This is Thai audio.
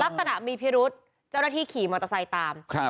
ลักษณะมีพิรุษเจ้าหน้าที่ขี่มอเตอร์ไซค์ตาม